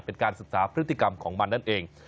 เป็นการศึกษาพฤติกรรมของมันนั่นเอง